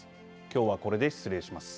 今日はこれで失礼します。